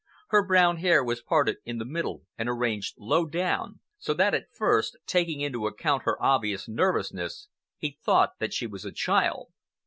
Her brown hair was parted in the middle and arranged low down, so that at first, taking into account her obvious nervousness, he thought that she was a child.